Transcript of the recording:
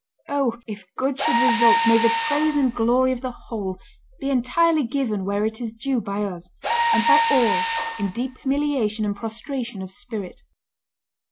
Oh! if good should result, may the praise and glory of the whole be entirely given where it is due by us, and by all, in deep humiliation and prostration of spirit."